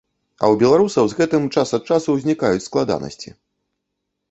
А ў беларусаў з гэтым час ад часу ўзнікаюць складанасці.